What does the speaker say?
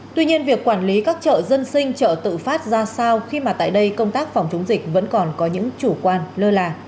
tuy nhiên việc quản lý các chợ dân sinh chợ tự phát ra sao khi mà tại đây công tác phòng chống dịch vẫn còn có những chủ quan lơ là